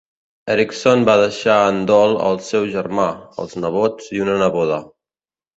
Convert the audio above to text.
Erickson va deixar en dol el seu germà, els nebots i una neboda.